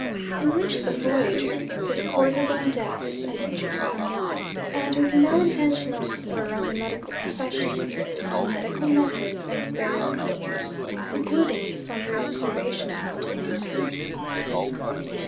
In which the Voyager discourses on deaths and witchcraft, and, with no intentional slur on the medical profession, on medical methods and burial customs, concluding with sundry observations on twins.